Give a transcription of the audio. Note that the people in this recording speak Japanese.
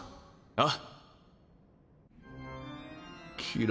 あっ。